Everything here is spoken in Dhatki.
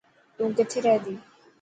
تو ڪٿي رهي ٿي.